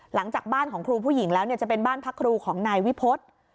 หลังจากบ้านของครูผู้หญิงแล้วจะเป็นบ้านพักครูของนายวิพฤษ